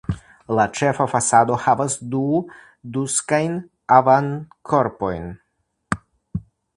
La ĉefa fasado havas du duaksajn avankorpojn.